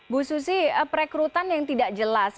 bu susi perekrutan yang tidak jelas